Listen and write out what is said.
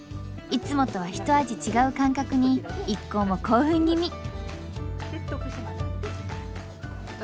いつもとはひと味違う感覚に一行も興奮気味。